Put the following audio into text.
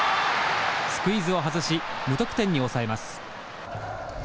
スクイズを外し無得点に抑えます。